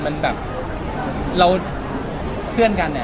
มีมีมีมีมีมีมี